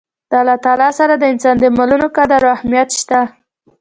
د الله تعالی سره د انسان د عملونو قدر او اهميت شته